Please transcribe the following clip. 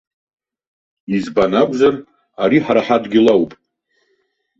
Избан акәзар, ари ҳара ҳадгьыл ауп.